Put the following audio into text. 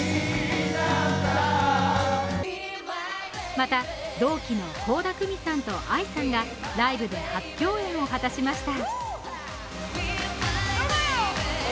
また、同期の倖田來未さんとＡＩさんがライブで初共演を果たしました。